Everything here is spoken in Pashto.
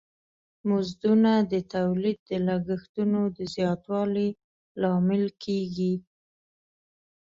مزدونه د تولید د لګښتونو د زیاتوالی لامل کیږی.